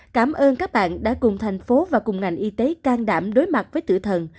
cảm ơn các bạn đã cùng thành phố và cùng ngành y tế can đảm đối mặt với tử thần